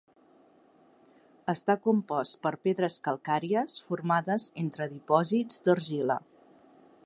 Està compost per pedres calcàries formades entre dipòsits d'argila.